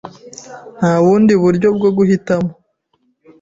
Nta bundi buryo bwo guhitamo.